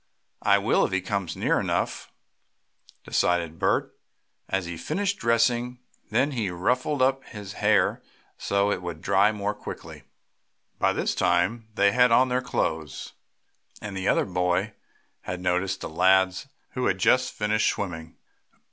"I will, if he comes near enough," decided Bert, as he finished dressing. Then he "ruffled" up his hair, so it would dry more quickly. By this time they had on their clothes, and the other boy had noticed the lads who had just finished swimming.